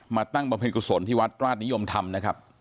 ตั้งบำเพ็ญกุศลที่วัดราชนิยมธรรมนะครับ